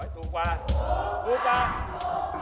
ถูกกว่า๑๗บาทนะ